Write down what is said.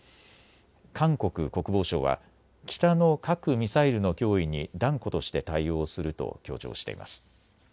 韓国国防省は北の核・ミサイルの脅威に断固として対応すると強調しています。